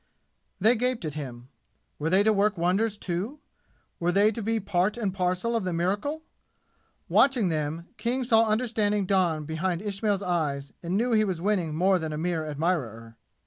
They gaped at him. Were they to work wonders too? Were they to be part and parcel of the miracle? Watching them, King saw understanding dawn behind Ismail's eyes and knew he was winning more than a mere admirer.